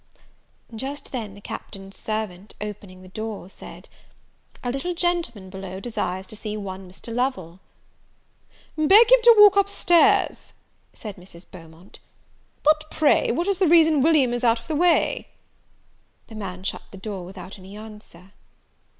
Just then the Captain's servant, opening the door, said, "A little gentleman below desires to see one Mr. Lovel." "Beg him to walk up stairs," said Mrs. Beaumont. "But, pray what is the reason William is out of the way?" The man shut the door without any answer.